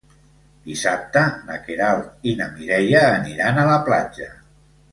Dissabte na Queralt i na Mireia aniran a la platja.